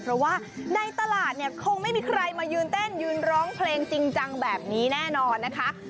เพราะว่าในตลาดเนี่ยคงไม่มีใครมายืนเต้นยืนร้องเพลงจริงจังแบบนี้แน่นอนนะคะ